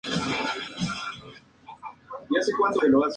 Muchos obispos se pusieron del lado del Emperador en contra del papa Liberio.